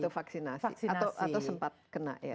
atau vaksinasi atau sempat kena ya